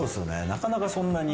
なかなかそんなに。